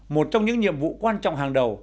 một trong những nhiệm vụ quan trọng hàng đầu